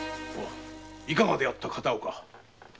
いかがであった？